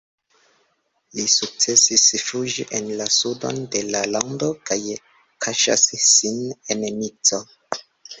Li sukcesis fuĝi en la sudon de la lando kaj kaŝas sin en Nico.